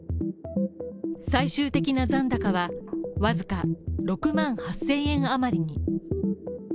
最終的な残高は、僅か６万８０００円あまりに。